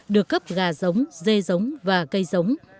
được cấp gà giống dê giống và cây giống